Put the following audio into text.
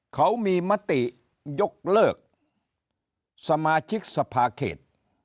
เขามีมติยกเลิกสมาชิกสภาเขต